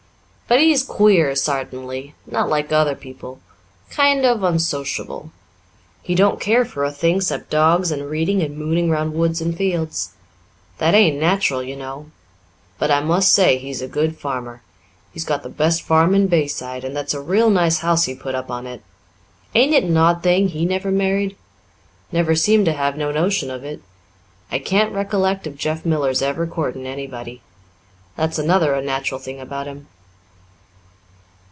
But he's queer sartainly not like other people kind of unsociable. He don't care for a thing 'cept dogs and reading and mooning round woods and fields. That ain't natural, you know. But I must say he's a good farmer. He's got the best farm in Bayside, and that's a real nice house he put up on it. Ain't it an odd thing he never married? Never seemed to have no notion of it. I can't recollect of Jeff Miller's ever courting anybody. That's another unnatural thing about him."